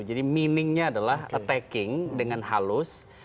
jadi meaningnya adalah attacking dengan halus